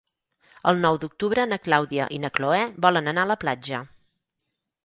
El nou d'octubre na Clàudia i na Cloè volen anar a la platja.